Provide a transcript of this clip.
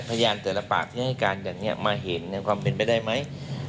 พยานแต่ละปากที่ให้การอย่างนี้มาเห็นความเป็นไปได้ไหม